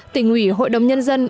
tỉnh ủy hội đồng nhân dân